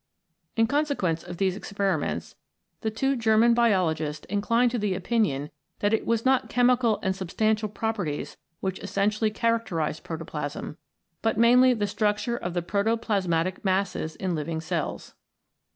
In consequence of these experiments the two German biologists inclined to the opinion that it was not chemical and sub stantial properties which essentially characterised protoplasm, but mainly the structure of the protoplasmatic masses in living cells.